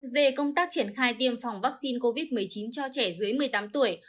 về công tác triển khai tiêm phòng vaccine covid một mươi chín cho trẻ dưới một mươi tám tuổi